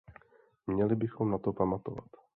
Měli bychom na to pamatovat.